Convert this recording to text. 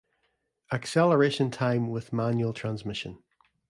Acceleration time with manual transmission.